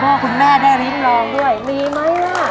ขอบคุณบ้านด้วยได้ริ้มรองด้วยอยู่ไหมละ